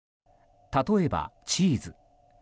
例えば、チーズ。